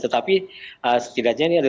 tetapi setidaknya ini ada